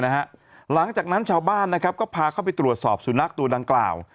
หลังจากนั้นชาวบ้านนะครับก็พาเข้าไปตรวจสอบสุนัขตัวดังกล่าว